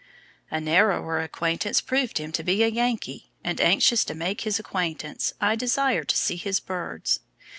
A narrower acquaintance proved him to be a Yankee; and anxious to make his acquaintance, I desired to see his birds.